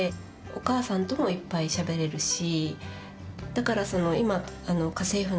お母さんともいっぱいしゃべれるし。